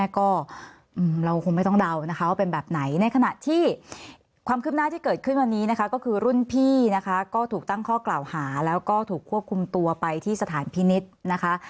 ความคืบหน้าที่เกิดขึ้นวันนี้นะคะก็คือรุ่นพี่นะคะก็ถูกตั้งข้อกล่าวหาแล้วก็ถูกควบคุมตัวไปที่สถานพินิษฐ์นะคะ